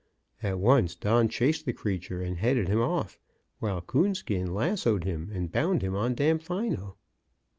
At once Don chased the creature and headed him off, while Coonskin lassoed him and bound him on Damfino.